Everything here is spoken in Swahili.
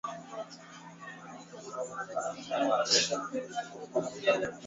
kwa hakuna lawama hapa kwamba mzee amesahulika kama u mkulima lazima